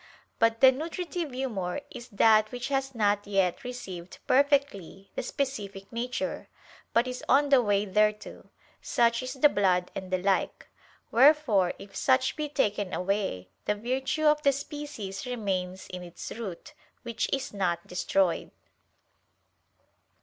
But the "nutritive humor" is that which has not yet received perfectly the specific nature, but is on the way thereto; such is the blood, and the like. Wherefore if such be taken away, the virtue of the species remains in its root, which is not destroyed.